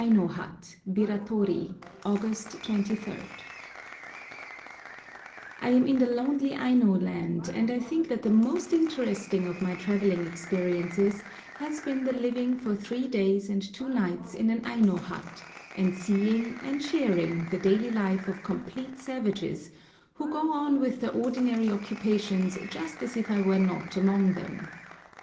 AINO HUT, BIRATORI, August 23. [Picture: Aino Houses] I AM in the lonely Aino land, and I think that the most interesting of my travelling experiences has been the living for three days and two nights in an Aino hut, and seeing and sharing the daily life of complete savages, who go on with their ordinary occupations just as if I were not among them.